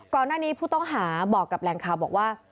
ก่อนหน้านี้ผู้ต้องหาบอกกับแหล่งข่าวบอกว่า